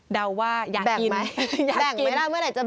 เดาว่าอยากกินอยากกินแบ่งไหมแบ่งไม่ได้เมื่อไหร่จะแบ่ง